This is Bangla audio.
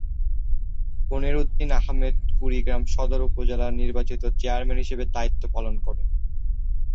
পনির উদ্দিন আহমেদ কুড়িগ্রাম সদর উপজেলার নির্বাচিত চেয়ারম্যান হিসেবে দায়িত্ব পালন করেন।